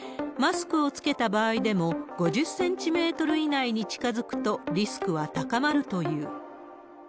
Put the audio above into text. マスクを着けた場合でも、５０センチメートル以内に近づくと、リスクは高まるという。